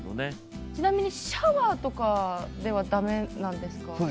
ちなみにシャワーとかでは駄目なんですか？